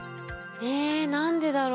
え何でだろう？